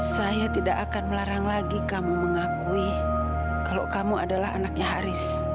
saya tidak akan melarang lagi kamu mengakui kalau kamu adalah anaknya haris